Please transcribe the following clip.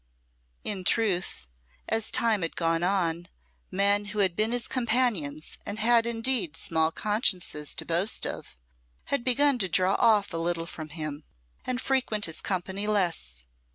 In truth, as time had gone on, men who had been his companions, and had indeed small consciences to boast of, had begun to draw off a little from him, and frequent his company less.